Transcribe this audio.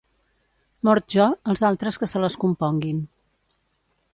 Mort jo, els altres que se les componguin.